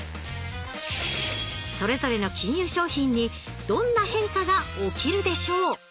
それぞれの金融商品にどんな変化が起きるでしょう？